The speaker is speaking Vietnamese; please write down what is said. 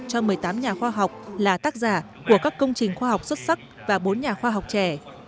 cho một mươi tám nhà khoa học là tác giả của các công trình khoa học xuất sắc và bốn nhà khoa học trẻ